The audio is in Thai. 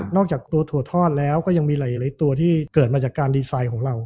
จากตัวถั่วทอดแล้วก็ยังมีหลายตัวที่เกิดมาจากการดีไซน์ของเรา